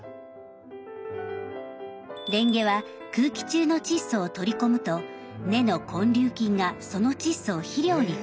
レンゲは空気中の窒素を取り込むと根の根粒菌がその窒素を肥料に変えてくれます。